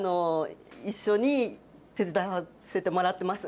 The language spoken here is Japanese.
一緒に手伝わせてもらってます。